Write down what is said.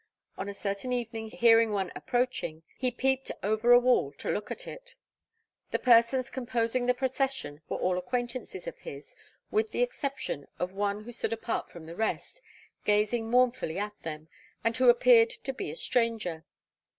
On a certain evening hearing one approaching, he peeped over a wall to look at it. The persons composing the procession were all acquaintances of his, with the exception of one who stood apart from the rest, gazing mournfully at them, and who appeared to be a stranger.